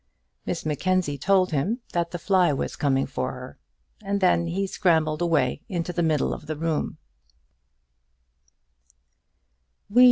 Miss Mackenzie told him that the fly was coming for her, and then he scrambled away into the middle of the room.